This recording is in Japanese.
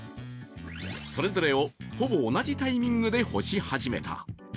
それぞれをほぼ同じタイミングで干し始めた。